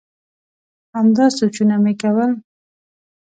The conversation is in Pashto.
همدا سوچونه مي کول ؟